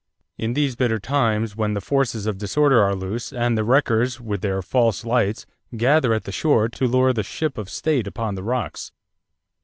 in these bitter times when the forces of disorder are loose and the wreckers with their false lights gather at the shore to lure the ship of state upon the rocks."